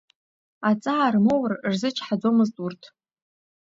Аҵаа рмоур рзычҳаӡомызт урҭ.